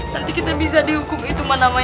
nanti kita bisa dihukum itu mah namanya